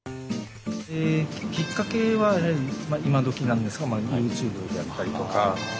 きっかけは今どきなんですがＹｏｕＴｕｂｅであったりとか。は。